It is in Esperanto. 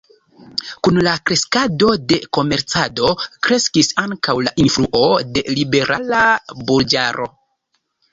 Kun la kreskado de komercado kreskis ankaŭ la influo de liberala burĝaro.